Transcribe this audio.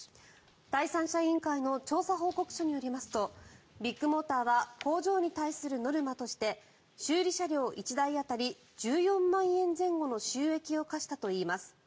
第三者委員会の調査報告書によりますとビッグモーターは工場に対するノルマとして修理車両１台当たり１４万円前後の収益を課したといいます。